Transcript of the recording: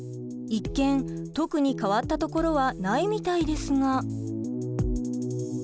一見特に変わったところはないみたいですが。